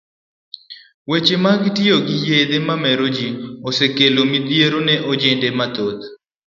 Weche mag tiyo gi yedhe mamero ji, osekelo midhiero ne ojende mathoth.